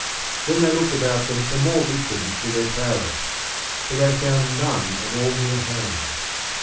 Then they looked about them for more victims to their prowess. But they found none at all near home.